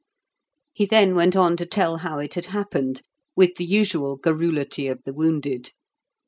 He then went on to tell how it had happened, with the usual garrulity of the wounded.